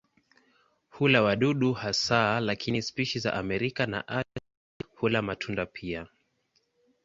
Hula wadudu hasa lakini spishi za Amerika na Asia hula matunda pia.